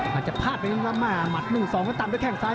อาจจะพลาดไปนิดนึงนะมัดหนึ่งสองก็ตามด้วยแข่งซ้าย